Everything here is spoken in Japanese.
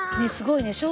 すごいね。